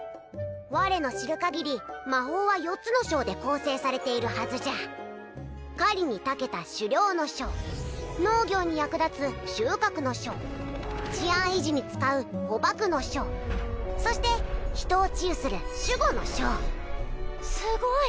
我の知る限り魔法は４つの章で構成されているはずじゃ狩りにたけた狩猟の章農業に役立つ収穫の章治安維持に使う捕縛の章そして人を治癒する守護の章すごい！